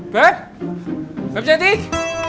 bebek bebek cantik